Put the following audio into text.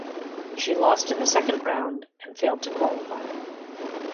She lost in the second round and failed to qualify.